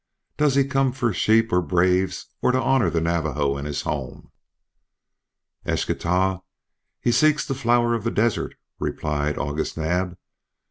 "Does he come for sheep or braves or to honor the Navajo in his home?" "Eschtah, he seeks the Flower of the Desert," replied August Naab.